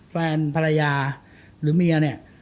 แฟนภรรยาหรือเมีย